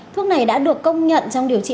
thuốc này đã được công nhận trong điều trị